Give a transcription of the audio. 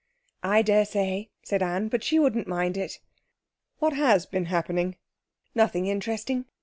'I daresay,' said Anne; 'but she wouldn't mind it.' 'What has been happening?' 'Nothing interesting.